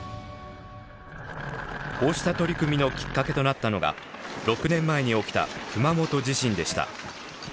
こうした取り組みのきっかけとなったのが６年前に起きた熊本地震でした。